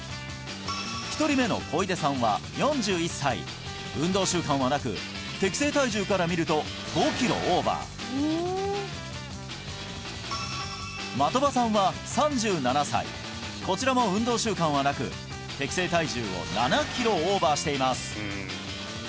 １人目の小出さんは４１歳運動習慣はなく適正体重から見ると５キロオーバーまとばさんは３７歳こちらも運動習慣はなく適正体重を７キロオーバーしています